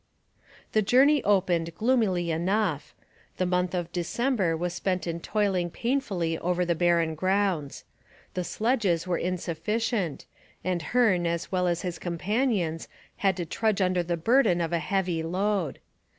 The journey opened gloomily enough. The month of December was spent in toiling painfully over the barren grounds. The sledges were insufficient, and Hearne as well as his companions had to trudge under the burden of a heavy load.